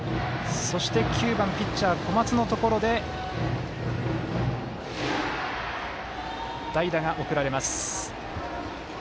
そして、９番、ピッチャー小松のところで代打が送られます。